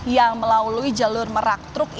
yang melalui jalur merak truk